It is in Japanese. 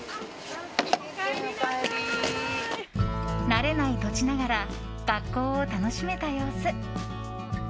慣れない土地ながら学校を楽しめた様子。